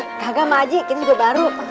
kagak mak haji kini gue baru